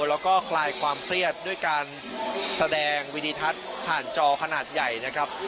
แล้วก็คลายความเครียดด้วยการแสดงวิดิทัศน์ผ่านจอขนาดใหญ่นะครับ